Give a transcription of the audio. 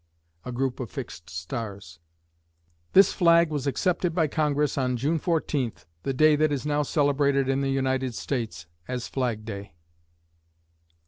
(A group of fixed stars.) This flag was accepted by Congress on June 14, the day that is now celebrated in the United States as Flag Day.